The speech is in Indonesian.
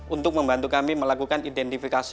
untuk membantu kami melakukan identifikasi